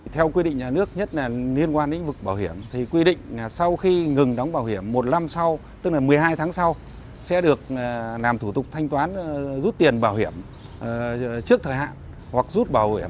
theo quy định nhà nước nhất là liên quan đến vực bảo hiểm thì quy định là sau khi ngừng đóng bảo hiểm một năm sau tức là một mươi hai tháng sau sẽ được làm thủ tục thanh toán rút tiền bảo hiểm trước thời hạn